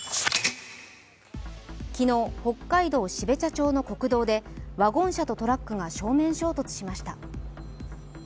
昨日、北海道標茶町の国道でワゴン車とトラックが正面衝突しました。